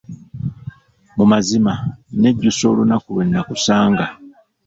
Mu mazima nnejjusa olunaku lwe nnakusanga.